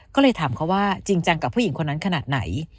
ก็เลยถามเขาว่าจริงจังกับผู้หญิงคนนั้นขนาดไหน